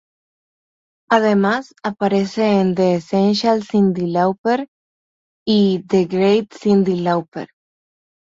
Además aparece en "The Essential Cyndi Lauper" y "The Great Cyndi Lauper".